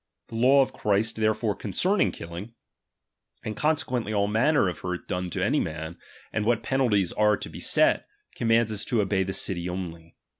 The law of Christ therefore concerning killing, and consequently all manner of hurt done to any man, and what penalties are to be set, commands us to obey the city only.